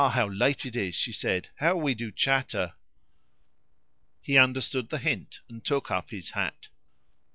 how late it is!" she said; "how we do chatter!" He understood the hint and took up his hat.